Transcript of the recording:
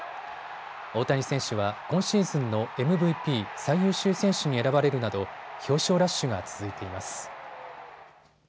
大谷選手は今シーズンのＭＶＰ・最優秀選手に選ばれるなど表彰ラッシュが続いています。